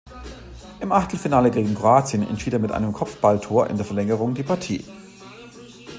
Im Achtelfinale gegen Kroatien entschied er mit einem Kopfballtor in der Verlängerung die Partie.